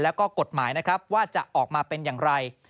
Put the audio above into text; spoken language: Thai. แล้วก็กฎหมายนะครับว่าจะออกมาเป็นอย่างไร